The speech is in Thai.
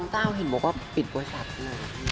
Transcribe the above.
บางเจ้าเห็นบอกว่าปิดประชาติเหรอ